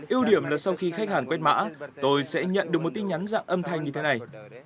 ưu điểm là sau khi khách hàng quét mã tôi sẽ nhận được một tin nhắn dạng âm thanh như thế này